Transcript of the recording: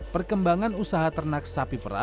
perkembangan usaha ternak sapi perah